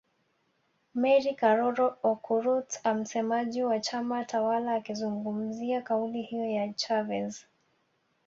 Mary Karoro Okurut msemaji wa chama tawala akizungumzia kauli hiyo ya Chavez